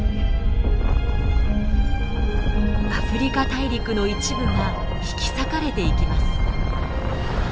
アフリカ大陸の一部が引き裂かれていきます。